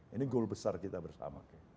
ini goal besar kita bersama